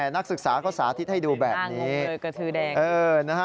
นักศึกษาก็สาธิตให้ดูแบบนี้อ้างงเลยกระทือแดง